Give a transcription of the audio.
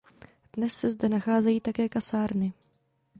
Dnes se zde nacházejí také kasárny.